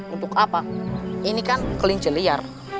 untuk apa ini kan kelinci liar